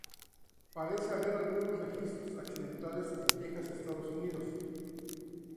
Parece haber algunos registros accidentales en Texas, Estados Unidos.